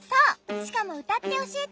しかもうたっておしえて？